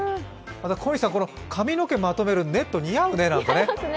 小西さん、髪の毛まとめるネット似合うね。